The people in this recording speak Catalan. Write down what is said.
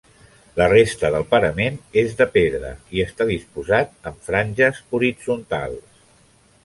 La resta del parament és de pedra i està disposat amb franges horitzontals.